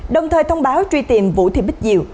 đồng thời thông báo truy tìm vũ thị bích diệu